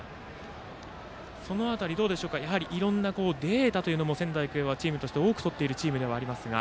その辺りもやはりいろんなデータも仙台育英はチームとして多く取っているチームではありますが。